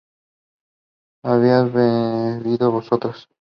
¿habíais bebido vosotras?